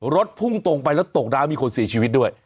รถพุ่งตรงไปแล้วตกน้ำมีคนเสียชีวิตด้วย